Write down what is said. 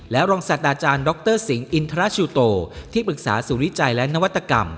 รองศัตว์อาจารย์ดรสิงห์อินทราชูโตที่ปรึกษาสุวิจัยและนวัตกรรม